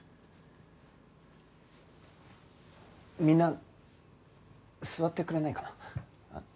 みんな座ってくれないかな？